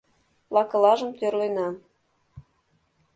Лакылажым тӧрлена